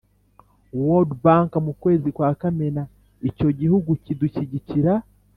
World bank mu kwezi kwa kamena icyo gihugu cyidushyigikira